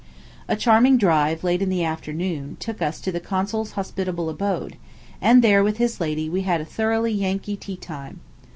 A charming drive, late in the afternoon, took us to the consul's hospitable abode; and there, with his lady, we had a thoroughly Yankee tea time.